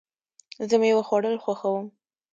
زه مېوه خوړل خوښوم.